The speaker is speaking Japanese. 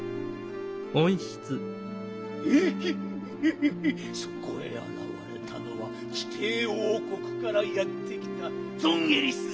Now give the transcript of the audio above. イッヒヒヒそこへ現れたのは地底王国からやって来たゾンゲリス！